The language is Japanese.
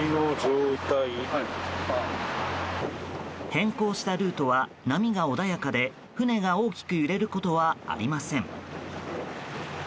変更したルートは波が穏やかで船が大きく揺れることはありません。